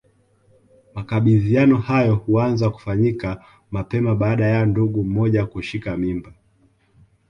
Makabidhiano hayo huanza kufanyika mapema baada ya ndugu mmoja kushika mimba